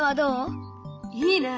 いいね！